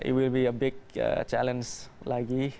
akan menjadi tantangan besar lagi